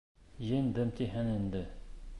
Еңдем тиһең инде?